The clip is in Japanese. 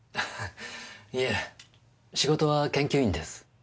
いえ仕事は研究員です。